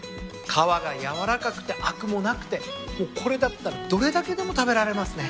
皮がやわらかくてあくもなくてこれだったらどれだけでも食べられますね。